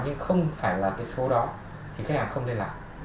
chứ không phải là cái số đó thì khách hàng không liên lạc